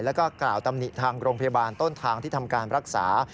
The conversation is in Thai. แล้วก็กล่าวตำหนิทางโรงพยาบาลต้นทางที่ทำการรักษา